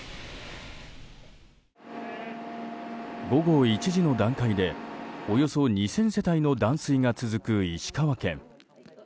午後１時の段階でおよそ２０００世帯の断水が続く石川県。